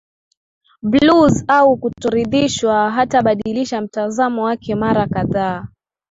blues au kutoridhishwa Hatabadilisha mtazamo wake mara kadhaa